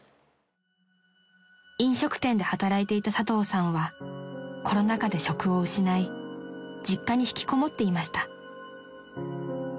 ［飲食店で働いていた佐藤さんはコロナ禍で職を失い実家に引きこもっていました］